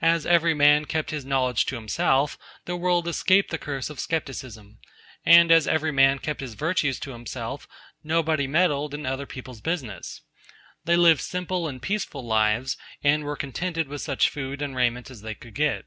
As every man kept his knowledge to himself, the world escaped the curse of scepticism; and as every man kept his virtues to himself, nobody meddled in other people's business. They lived simple and peaceful lives, and were contented with such food and raiment as they could get.